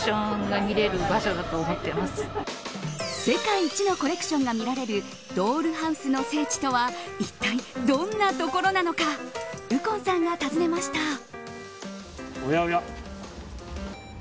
世界一のコレクションが見られるドールハウスの聖地とはいったいどんな所なのか右近さんが訪ねました。